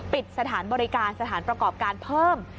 ปิดสถานบริการสถานประกอบการเพิ่ม